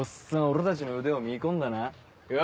俺たちの腕を見込んだなよ